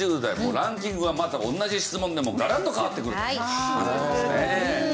ランキングがまた同じ質問でもガラッと変わってくるという事ですね。